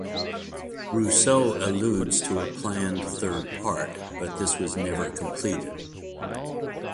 Rousseau alludes to a planned third part, but this was never completed.